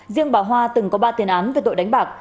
riêng bà hoa từng có ba tiền án về tội đánh bạc